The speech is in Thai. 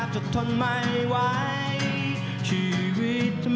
เชิญค่ะ